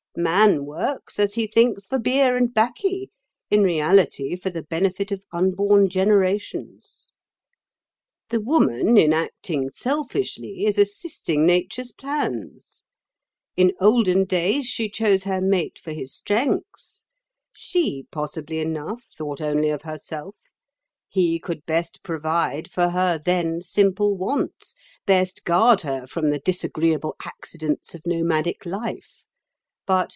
Man works, as he thinks, for beer and baccy; in reality, for the benefit of unborn generations. The woman, in acting selfishly, is assisting Nature's plans. In olden days she chose her mate for his strength. She, possibly enough, thought only of herself; he could best provide for her then simple wants, best guard her from the disagreeable accidents of nomadic life.